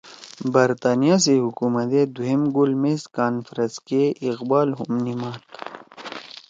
برطانیہ سی حکومت ئے دُھوئم گول میز کانفرنس کے اقبال ہُم نیِماد